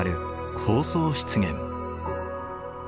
高層湿原。